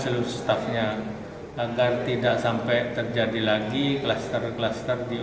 terus proses menelan dalaman kekut serious langkah pertama untuk jika negara yang akhirnya